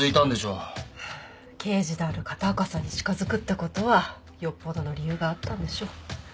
刑事である片岡さんに近づくって事はよっぽどの理由があったんでしょ。